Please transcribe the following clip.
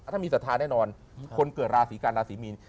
ถ้ามีศรัทธาแน่นอนคนเกิดราศีกันราศีมีน